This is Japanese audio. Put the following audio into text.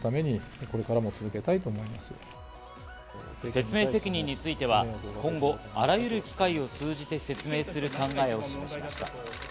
説明責任については今後、あらゆる機会を通じて説明する考えを示しました。